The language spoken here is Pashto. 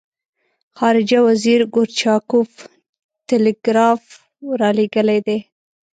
خارجه وزیر ګورچاکوف ټلګراف را لېږلی دی.